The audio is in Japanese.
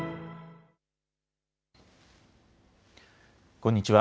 こんにちは。